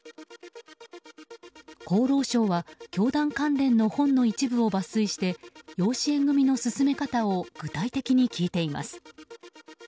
厚労省は教団関連の本の一部を抜粋して養子縁組の進め方を具体的に聞いています。